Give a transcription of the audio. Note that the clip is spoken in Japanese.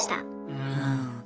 うん。